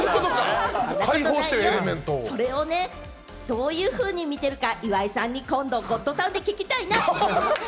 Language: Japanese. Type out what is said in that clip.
それをね、どういうふうに見ていいか、岩井さんに今度、『ゴッドタン』で聞きたいな。